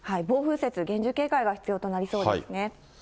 暴風雪、厳重警戒が必要となりそうですね。